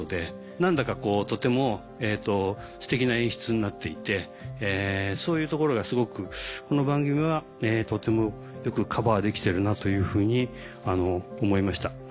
何だかとてもステキな演出になっていてそういうところがすごくこの番組はとてもよくカバーできてるなというふうに思いました。